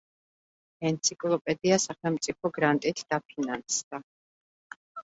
ენციკლოპედია სახელმწიფო გრანტით დაფინანსდა.